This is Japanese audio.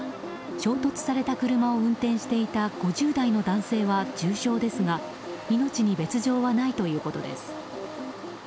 衝突された車を運転していた５０代の男性は重傷ですが命に別条はないということです。